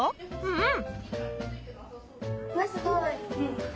うん！